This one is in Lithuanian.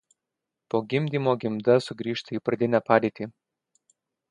Po gimdymo gimda sugrįžta į pradinę padėtį.